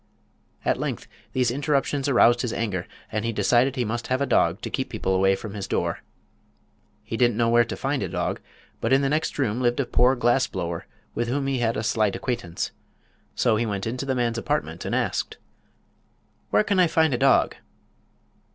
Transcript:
At length these interruptions aroused his anger, and he decided he must have a dog to keep people away from his door. He didn't know where to find a dog, but in the next room lived a poor glass blower with whom he had a slight acquaintance; so he went into the man's apartment and asked: "Where can I find a dog?"